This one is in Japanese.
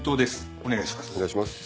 お願いします。